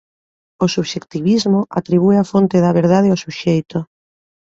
O subxectivismo atribúe a fonte da verdade ó suxeito.